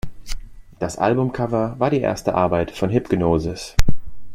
Das Albumcover war die erste Arbeit von Hipgnosis.